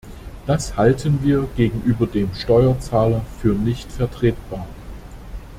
Das halten wir gegenüber dem Steuerzahler für nicht vertretbar.